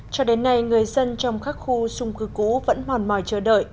cho đến nay người dân trong các khu xung cư cũ vẫn mòn mòi chờ đợi